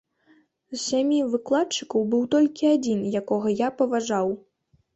З сямі выкладчыкаў быў толькі адзін, якога я паважаў.